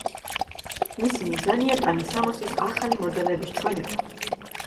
მისი მიზანია ტანისამოსის ახალი მოდელების ჩვენება.